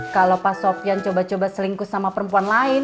kalau pak sofian coba coba selingkus sama perempuan lain